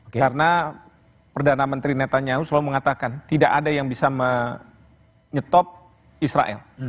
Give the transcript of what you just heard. karena perdana menteri netanyahu selalu mengatakan tidak ada yang bisa menyetop israel